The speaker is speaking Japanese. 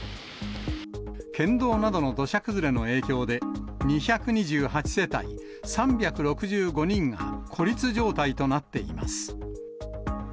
県道などの土砂崩れの影響で、２２８世帯３６５人が孤立状態となっています。